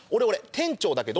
店長だけど。